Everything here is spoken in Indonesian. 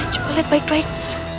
coba liat baik baik